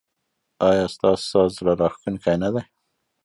ایا ستاسو ساز زړه راښکونکی نه دی؟